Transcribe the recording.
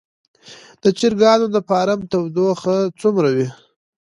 د چرګانو د فارم تودوخه څومره وي؟